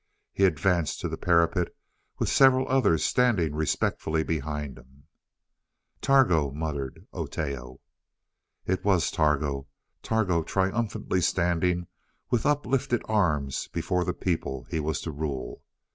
He advanced to the parapet with several others standing respectfully behind him. "Targo!" murmured Oteo. It was Targo Targo triumphantly standing with uplifted arms before the people he was to rule.